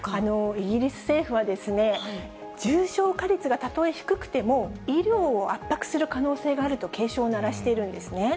イギリス政府は、重症化率がたとえ低くても、医療を圧迫する可能性があると警鐘を鳴らしているんですね。